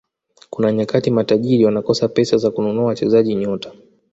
kuna nyakati matajiri wanakosa pesa za kununua wachezaji nyota